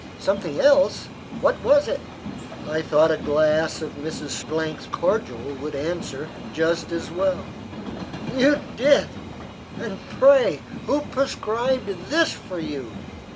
"Something else! What was it?" "I thought a glass of Mrs. 's cordial would answer just as well." "You did! and, pray, who prescribed this for you?"